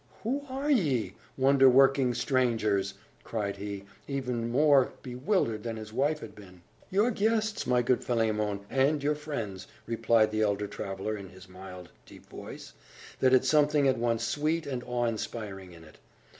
"Who are ye, wonder working strangers!" cried he, even more bewildered than his wife had been. "Your guests, my good Philemon, and your friends," replied the elder traveller, in his mild, deep voice, that had something at once sweet and awe inspiring in it.